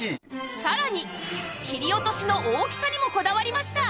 さらに切り落としの大きさにもこだわりました！